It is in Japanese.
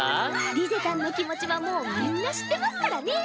リゼたんの気持ちはもうみんな知ってますからね。